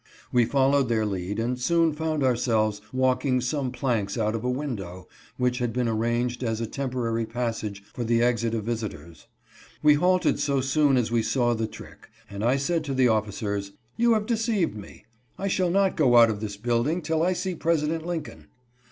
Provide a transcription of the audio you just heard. We followed their lead, and soon found our selves walking some planks out of a window, which had been arranged as a temporary passage for the exit of visitors. We halted so soon as we saw the trick, and I said to the officers :" You have deceived me. I shall not go out of this building till I see President Lincoln."